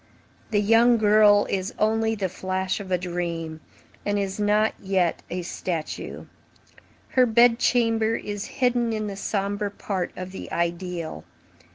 The young girl is only the flash of a dream, and is not yet a statue. Her bed chamber is hidden in the sombre part of the ideal.